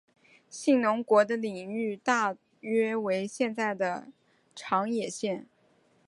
信浓国的领域大约为现在的长野县。